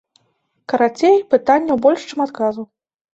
Карацей, пытанняў больш, чым адказаў.